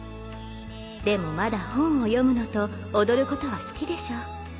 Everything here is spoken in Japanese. でもまだ本を読むのと踊ることは好きでしょう。